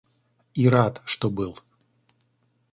И рад, что был.